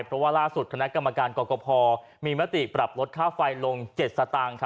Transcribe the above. เพราะว่าล่าสุดคณะกรรมการกรกภมีมติปรับลดค่าไฟลง๗สตางค์